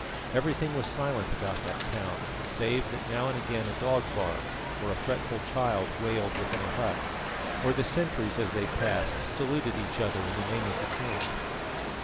Everything was silent about that town, save that now and again a dog barked or a fretful child wailed within a hut, or the sentries as they passed saluted each other in the name of the king.